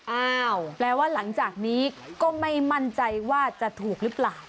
อ้าวแปลว่าหลังจากนี้ก็ไม่มั่นใจว่าจะถูกหรือเปล่า